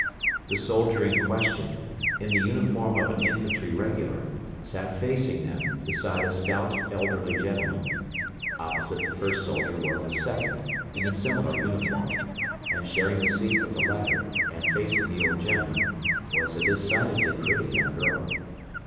The soldier in question, in the uniform of an infantry regular, sat facing them, beside a stout elderly gentleman. Opposite the first soldier was a second, in a similar uniform; and sharing the seat with the latter, and facing the old gentleman, was a decidedly pretty young girl.